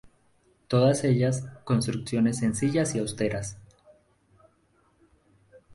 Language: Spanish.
Todas ellas, construcciones sencillas y austeras.